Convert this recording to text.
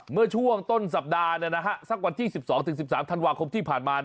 เมื่อช่วงต้นสัปดาห์สักวันที่๑๒๑๓ธันวาคมที่ผ่านมา